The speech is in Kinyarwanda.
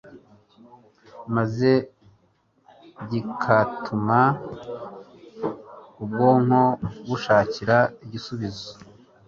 maze kigatuma ubwonko bushakira igisubizo